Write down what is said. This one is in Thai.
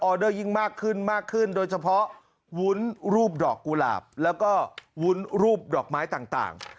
เดอร์ยิ่งมากขึ้นมากขึ้นโดยเฉพาะวุ้นรูปดอกกุหลาบแล้วก็วุ้นรูปดอกไม้ต่าง